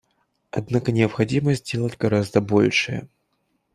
Однако необходимо сделать гораздо большее.